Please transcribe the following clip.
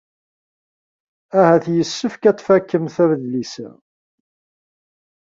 Ahat yessefk ad tfakemt adlis-a.